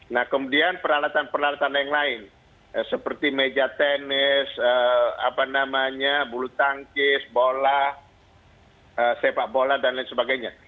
nah kemudian peralatan peralatan yang lain seperti meja tenis bulu tangkis bola sepak bola dan lain sebagainya